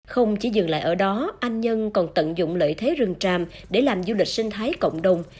không chỉ dừng lại ở đó anh nhân còn tận dụng lợi thế rừng tràm để làm du lịch sinh thái cộng đồng